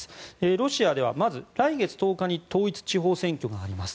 ロシアでは、まず来月１０日に統一地方選挙があります。